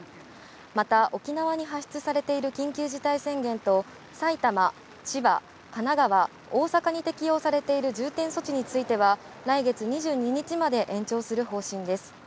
また沖縄に発出されている緊急事態宣言と埼玉、千葉、神奈川、大阪に適用されている重点措置については、来月２２日まで延長する方針です。